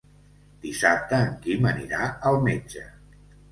Dissabte en Quim anirà al metge.